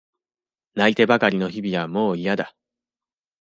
泣いてばかりの日々はもういやだ。